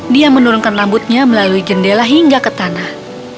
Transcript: dia menurunkan rambutnya melalui jendela hingga ke tanah